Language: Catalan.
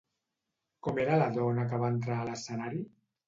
Com era la dona que va entrar a l'escenari?